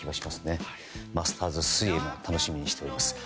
マスターズ水泳楽しみにしております。